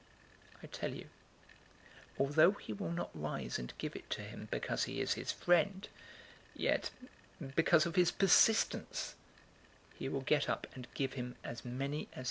011:008 I tell you, although he will not rise and give it to him because he is his friend, yet because of his persistence, he will get up and give him as many as he needs.